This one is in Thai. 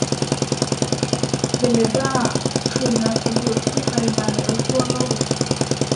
เดบราคือนักสำรวจที่ไปมาแล้วทั่วโลก